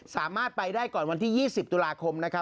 สามารถไปได้ก่อนวันที่๒๐ตุลาคมนะครับ